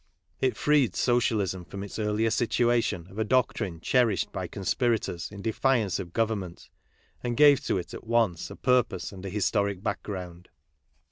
It freed SociaUsm from its earlier situation of a doctrine cherished by conspira tors in defiance of government and gave to it a ^ once a purpose and an historic background.